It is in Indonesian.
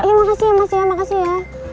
iya makasih ya mas ya makasih ya